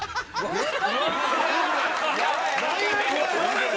えっ？